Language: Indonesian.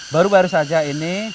baru baru saja ini